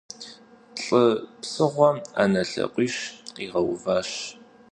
ЛӀы псыгъуэм Ӏэнэ лъакъуищ къигъэуващ.